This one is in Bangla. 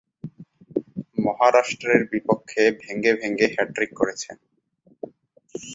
মহারাষ্ট্রের বিপক্ষে ভেঙ্গে ভেঙ্গে হ্যাট্রিক করেছেন।